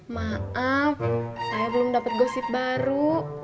maaf saya belum dapat gosip baru